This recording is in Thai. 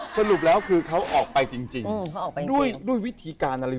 สรุปแล้วคือเขาออกไปจริงจริงอืมเขาออกไปจริงจริงด้วยด้วยวิธีการอะไร